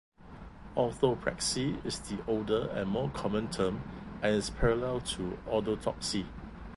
"Orthopraxy" is the older and more common term, and is parallel to "orthodoxy".